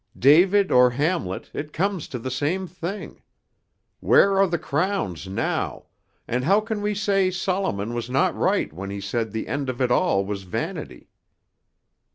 "David or Hamlet, it comes to the same thing. Where are the crowns now, and how can we say Solomon was not right when he said the end of it all was vanity?